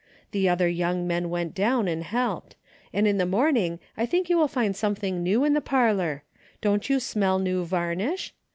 The other young men went down and helped, and in the morning I think you will find something new in the parlor. Didn't you smell new varnish